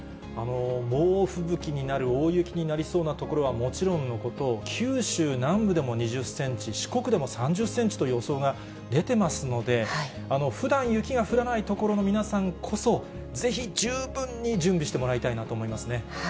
猛吹雪になる、大雪になりそうな所はもちろんのこと、九州南部でも２０センチ、四国でも３０センチと予想が出てますので、ふだん雪が降らない所の皆さんこそ、ぜひ十分に準備してもらいたいなと思いますね。